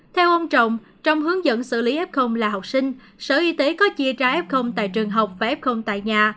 theo ông trọng trong hướng dẫn xử lý f là học sinh sở y tế có chia ra f tại trường học và f tại nhà